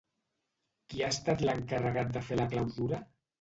Qui ha estat l'encarregat de fer la clausura?